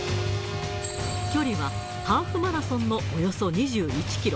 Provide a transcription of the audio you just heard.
距離はハーフマラソンのおよそ２１キロ。